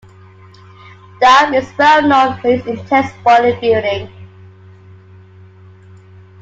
Diab is well known for his intense body building.